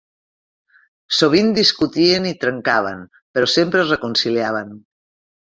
Sovint discutien i trencaven, però sempre es reconciliaven.